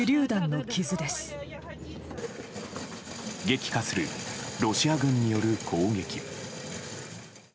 激化するロシア軍による攻撃。